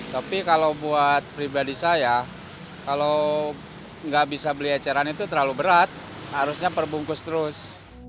tapi kalau buat pribadi saya kalau nggak bisa beli eceran itu terlalu berat harusnya perbungkus terus